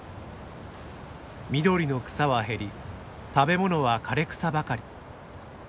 緑の草は減り食べ物は枯れ草ばかり。